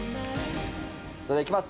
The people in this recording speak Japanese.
それではいきます。